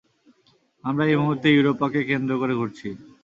আমরা এই মূহুর্তে ইউরোপা কে কেন্দ্র করে ঘুরছি।